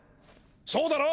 そうだろ？